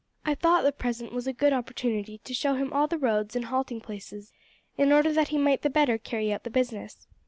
I thought the present was a good opportunity to show him all the roads and halting places in order that he might the better carry out the business."